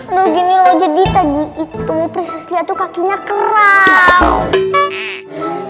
aduh gini loh jadi tadi itu prinsipnya tuh kakinya kerap